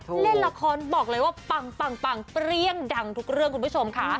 เล่นละครบอกเลยว่าปังเปรี้ยงดังทุกเรื่องคุณผู้ชมค่ะ